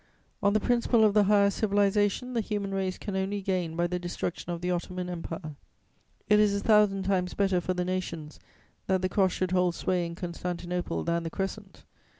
On the principle of the higher civilization, the human race can only gain by the destruction of the Ottoman Empire: it is a thousand times better for the nations that the Cross should hold sway in Constantinople than the Crescent.